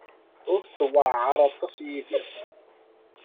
Ur ttewɛaṛ aṭas yid-i.